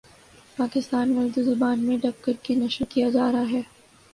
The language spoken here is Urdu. پاکستان میں اردو زبان میں ڈب کر کے نشر کیا جارہا ہے